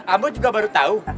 ambo juga baru tau